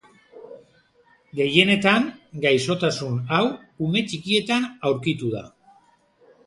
Gehienetan, gaixotasun hau ume txikietan aurkitu da.